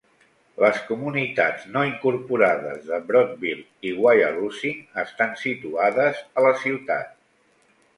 Les comunitats no incorporades de Brodtville i Wyalusing estan situades a la ciutat.